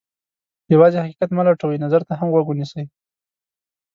یوازې حقیقت مه لټوئ، نظر ته هم غوږ ونیسئ.